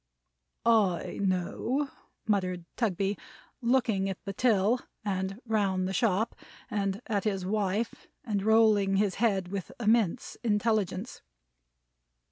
"I know," muttered Mr. Tugby, looking at the till, and round the shop, and at his wife; and rolling his head with immense intelligence.